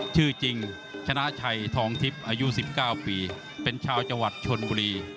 ชื่อจริงชนะชัยทองทิพย์อายุ๑๙ปีเป็นชาวจังหวัดชนบุรี